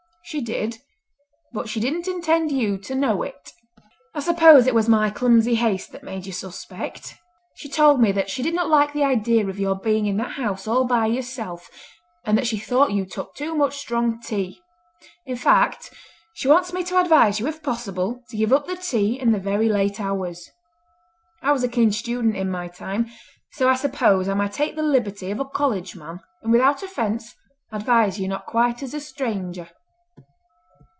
"She did: but she didn't intend you to know it. I suppose it was my clumsy haste that made you suspect. She told me that she did not like the idea of your being in that house all by yourself, and that she thought you took too much strong tea. In fact, she wants me to advise you if possible to give up the tea and the very late hours. I was a keen student in my time, so I suppose I may take the liberty of a college man, and without offence, advise you not quite as a stranger."